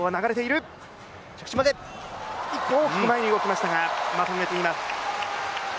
一歩大きく前に動きましたが、まとめています。